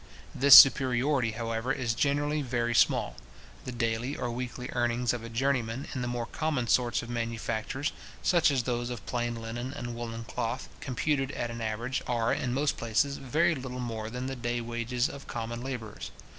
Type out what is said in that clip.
This superiority, however, is generally very small: the daily or weekly earnings of journeymen in the more common sorts of manufactures, such as those of plain linen and woollen cloth, computed at an average, are, in most places, very little more than the day wages of common labourers.